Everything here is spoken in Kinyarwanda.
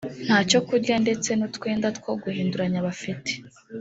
ntacyo kurya ndetse n’utwenda two guhinduranya bafite